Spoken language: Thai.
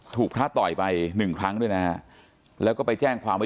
ถูกพระต่อยไปหนึ่งครั้งแล้วก็ไปแจ้งความว่า